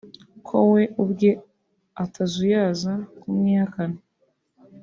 ko we ubwe atazuyaza kumwihakana